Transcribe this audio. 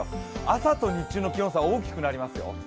朝と日中の気温差が大きくなりますよ。